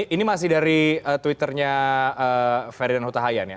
ini masih dari twitter nya ferdinand hutahayan ya